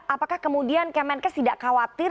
apakah kemudian kemenkes tidak khawatir